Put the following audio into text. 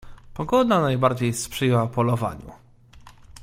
"Pogoda najbardziej sprzyjała polowaniu."